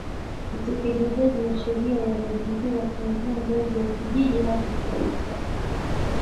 Utekelezaji wa sheria ya mazingira kuanzia ngazi ya kijiji hadi taifa